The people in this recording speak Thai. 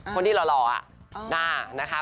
คนที่รอคะนะนะคะ